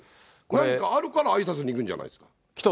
何かあるからあいさつに行くんじゃないですか。